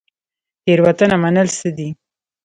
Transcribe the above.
تیروتنه منل څه دي؟